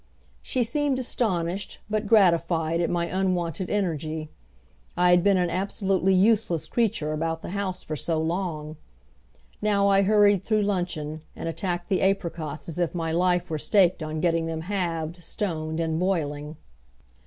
She seemed astonished, but gratified, at my unwonted energy. I had been an absolutely useless creature about the house for so long. Now I hurried through luncheon, and attacked the apricots as if my life were staked on getting them halved, stoned, and boiling.